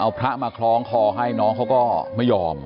เอาพระมาคล้องคอให้น้องเขาก็ไม่ยอม